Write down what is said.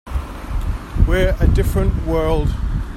We're a different world.